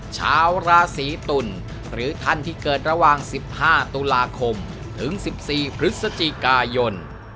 ชาวราศีตุลหรือท่านที่เกิดระหว่าง๑๕ตุลาคมถึง๑๔พฤศจิกายน